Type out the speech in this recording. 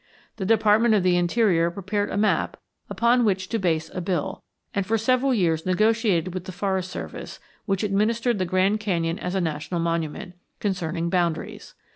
The Department of the Interior prepared a map upon which to base a bill, and for several years negotiated with the Forest Service, which administered the Grand Canyon as a national monument, concerning boundaries.